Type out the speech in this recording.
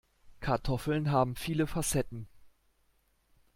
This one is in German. Kartoffeln haben viele Facetten.